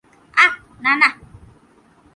আঃ, না, না।